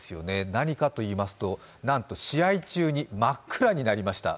何かといいますと、なんと試合中に真っ暗になりました。